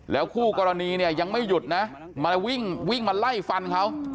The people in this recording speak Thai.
แล้วคู่กรณียังไม่หยุดนะมาวิ่งมาไล่ฟันเขา